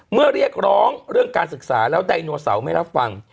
เรียกร้องเรื่องการศึกษาแล้วไดโนเสาร์ไม่รับฟัง